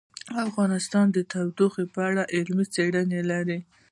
افغانستان د تودوخه په اړه علمي څېړنې لري.